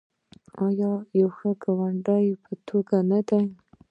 آیا د یو ښه ګاونډي په توګه نه دی؟